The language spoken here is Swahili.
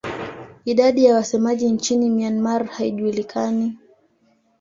Idadi ya wasemaji nchini Myanmar haijulikani.